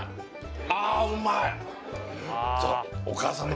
ああうまい！